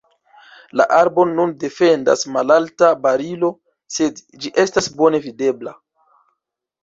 La arbon nun defendas malalta barilo, sed ĝi estas bone videbla.